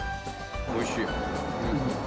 おいしい。